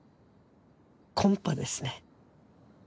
コンパですね。